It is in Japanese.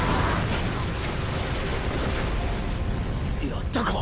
やったか？